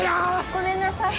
ごめんなさい。